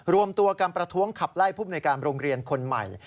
รวมตัวการประท้วงขับไล่ผู้มนุยการโรงเรียนคนใหม่